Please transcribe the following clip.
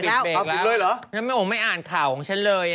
เขาปิดเลยเหรอเก้าไม๊อ่านข่าวของฉันเลย